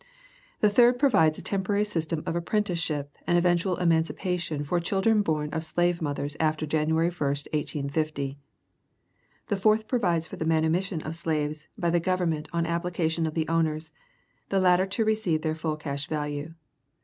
The third provides a temporary system of apprenticeship and eventual emancipation for children born of slavemothers after January 1, 1850. The fourth provides for the manumission of slaves by the Government on application of the owners, the latter to receive their full cash value.